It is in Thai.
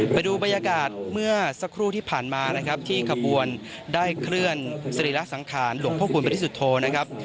ไปดูบรรยากาศเมื่อสักครู่ที่ผ่านมานะครับที่ขบวนได้เคลื่อนสรีระสังขารหลวงพระคุณบริสุทธโธนะครับ